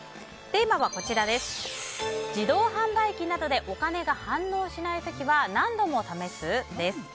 テーマは自動販売機などでお金が反応しない時は何度も試す？です。